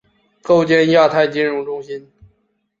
建构亚太金融中心